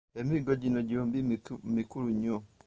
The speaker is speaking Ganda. Emiggo gino gyombi mikulu nnyo.